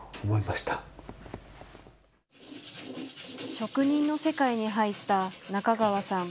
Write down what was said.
職人の世界に入った中川さん。